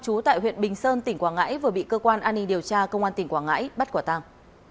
chú tại huyện bình sơn tỉnh quảng ngãi vừa bị cơ quan an ninh điều tra công an tỉnh quảng ngãi bắt quả tàng